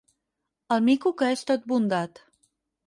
El mico que és tot bondat.